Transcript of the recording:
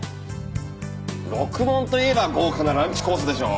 ろくもんといえば豪華なランチコースでしょ。